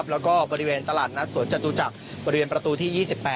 และบริเวณตลาดนัตรสวรรค์จัตรูจักรบริเวณประตูที่๒๘